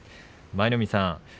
舞の海さん